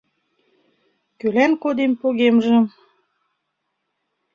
«Кӧлан кодем погемжым